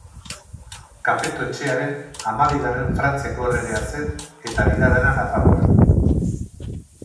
Kapeto etxearen hamabigarren Frantziako erregea zen eta bigarrena Nafarroan.